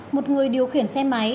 một người điều khiển xe máy